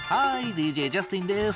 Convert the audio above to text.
ＤＪジャスティンです。